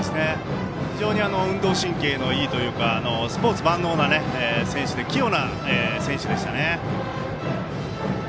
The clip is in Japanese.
非常に運動神経のいいというかスポーツ万能な選手で器用な選手でしたね。